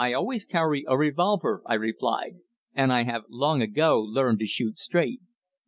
"I always carry a revolver," I replied, "and I have long ago learned to shoot straight."